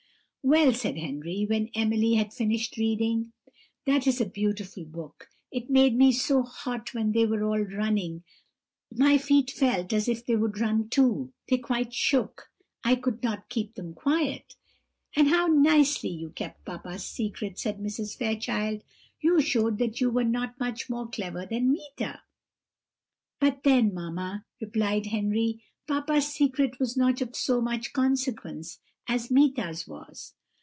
"Well," said Henry, when Emily had finished reading, "that is a beautiful book: it made me so hot when they were all running, my feet felt as if they would run too they quite shook I could not keep them quiet." "And how nicely you kept papa's secret!" said Mrs. Fairchild; "you showed that you were not much more clever than Meeta." "But then, mamma," replied Henry, "papa's secret was not of so much consequence as Meeta's was."